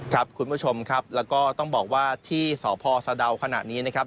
ครับคุณผู้ชมครับแล้วก็ต้องบอกว่าที่สพสะดาวขณะนี้นะครับ